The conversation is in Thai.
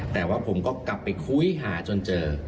แต่ว่าผมก็กลับไปคุยหาจนเจอ